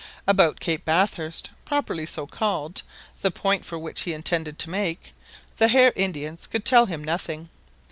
About Cape Bathurst, properly so called, the point for which he intended to make, the Hare Indians could tell him nothing.